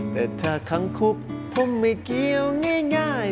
แต่ถ้าคังคุกผมไม่เกี่ยวง่าย